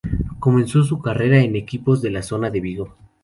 Comenzó su carrera en equipos de la zona de Vigo.